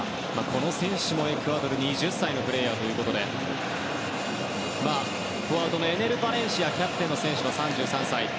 この選手もエクアドル２０歳のプレーヤーでフォワードのエネル・バレンシアキャプテンの選手は３３歳。